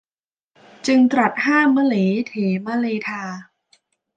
จึงตรัสห้ามมะเหลเถมะเลทา